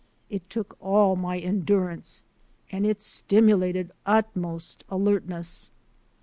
It took all my endurance and it stimulated utmost alertness.